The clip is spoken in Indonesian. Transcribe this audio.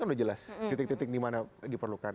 udah jelas titik titik dimana diperlukan